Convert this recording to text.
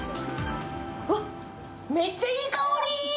うわっ、めっちゃいい香り！